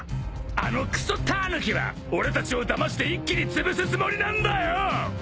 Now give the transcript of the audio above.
あのくそタヌキは俺たちをだまして一気につぶすつもりなんだよ！